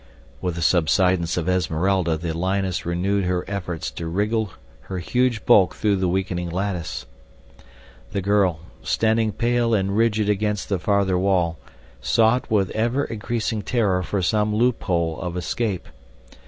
With the subsidence of Esmeralda the lioness renewed her efforts to wriggle her huge bulk through the weakening lattice. The girl, standing pale and rigid against the farther wall, sought with ever increasing terror for some loophole of escape.